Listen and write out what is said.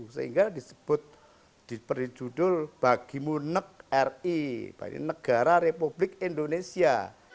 sehingga disebut diperjudul bagimu negeri bagi negara republik indonesia